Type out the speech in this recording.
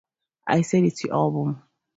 I said, It's your album.